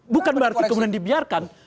bukan berarti kemudian dibiarkan